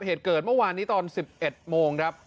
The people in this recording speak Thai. เหตุเกิดเมื่อวานนี้ตอน๑๑โมงครับ